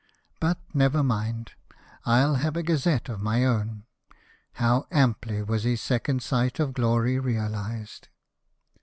But, never mind, I'll have a gazette of my own." How amply was this second sight of glor}^ realised